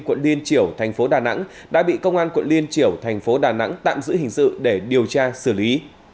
quận liên triểu thành phố đà nẵng đã bị công an quận liên triểu thành phố đà nẵng tạm giữ hình sự để điều tra xử lý